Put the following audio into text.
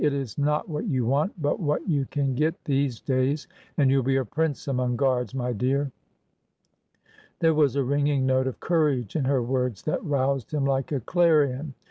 It is not what you want, but what you can get, these days! And you dl be a prince among guards, my dear 1 There was a ringing note of courage in her words that roused him like a clarion.